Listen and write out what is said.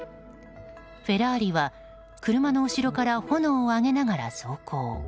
フェラーリは車の後ろから炎を上げながら走行。